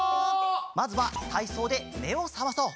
まずはたいそうでめをさまそう！